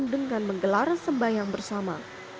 dengan menggelar sembayang bersama